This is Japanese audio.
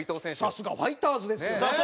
さすがファイターズですよね。